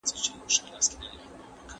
ماشومان په ښوونځي کې نوې تجربې زده کوي.